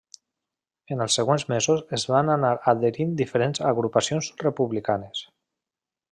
En els següents mesos es van anar adherint diferents agrupacions republicanes.